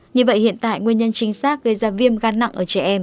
như vậy hiện tại nguyên nhân chính xác gây ra viêm gan nặng ở trẻ em